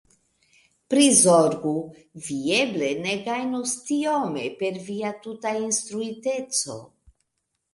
Prizorgu! Vi eble ne gajnos tiome per via tuta instruiteco.